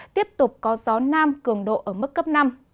tiếp tục có gió nam cường độ ở mức cấp năm